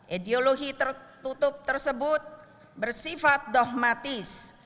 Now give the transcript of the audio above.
ideologi tertutup tersebut bersifat dogmatis